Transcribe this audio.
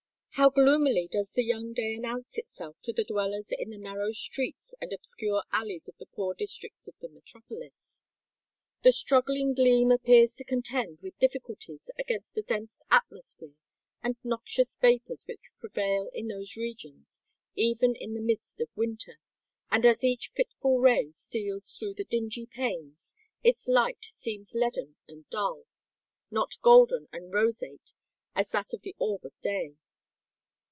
How gloomily does the young day announce itself to the dwellers in the narrow streets and obscure alleys of the poor districts of the metropolis! The struggling gleam appears to contend with difficulty against the dense atmosphere and noxious vapours which prevail in those regions even in the midst of winter; and as each fitful ray steals through the dingy panes, its light seems leaden and dull, not golden and roseate as that of the orb of day.